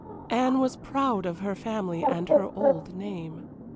Anne was proud of her family and her old name.